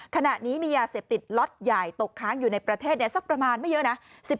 ขณะนี้มียาเสพติดล็อตใหญ่ตกค้างอยู่ในประเทศสักประมาณไม่เยอะนะ